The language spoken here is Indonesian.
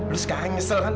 lo sekarang ngesel kan